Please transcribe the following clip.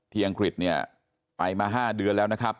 อังกฤษเนี่ยไปมา๕เดือนแล้วนะครับ